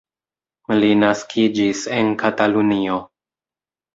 Li naskiĝis en Katalunio.